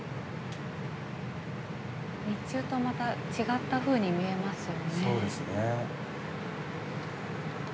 日中と違ったふうに見えますよね。